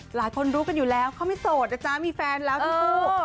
หลายคนรู้กันอยู่แล้วเขาไม่โสดนะจ๊ะมีแฟนแล้วทั้งคู่